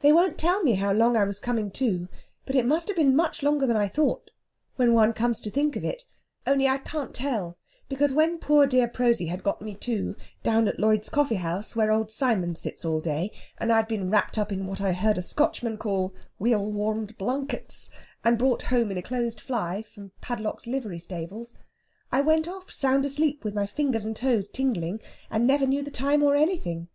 "They won't tell me how long I was coming to, but it must have been much longer than I thought, when one comes to think of it. Only I can't tell, because when poor dear Prosy had got me to[A] down at Lloyd's Coffeehouse, where old Simon sits all day and I had been wrapped up in what I heard a Scotchman call 'weel warmed blawnkets,' and brought home in a closed fly from Padlock's livery stables, I went off sound asleep with my fingers and toes tingling, and never knew the time nor anything.